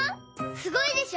すごいでしょ！